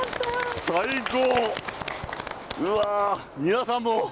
最高！